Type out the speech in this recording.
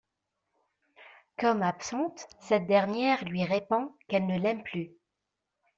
Comme absente, cette dernière lui répond qu'elle ne l'aime plus.